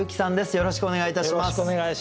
よろしくお願いします。